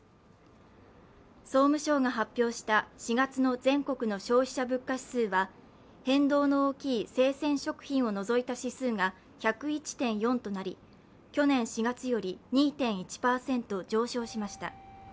総務省が発表した４月の全国の消費者物価指数は変動の大きい生鮮食品を除いた指数が１０１．４となり去年４月より２．１％上昇しました。